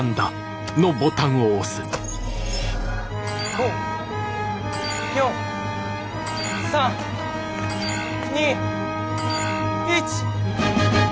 ５４３２１。